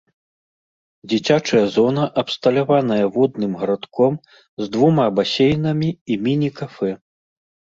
Дзіцячая зона абсталяваная водным гарадком з двума басейнамі і міні-кафэ.